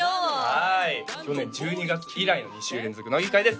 はい去年１２月以来の２週連続乃木回です